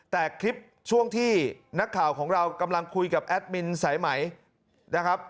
แต่คลิปช่วงที่นักข่าวของเรากำลังคุยกับแอดมินสายไหมนะครับ